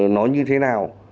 nó như thế nào